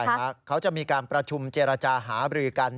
เขาจะมีการประชุมเจรจาหาบรือกัน